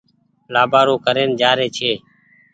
لآٻآرو ڪرين جآري ڇي۔